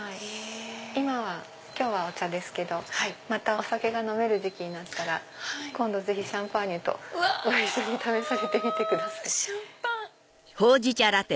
今日はお茶ですけどまたお酒が飲める時期になったら今度ぜひシャンパーニュとご一緒に試されてみてください。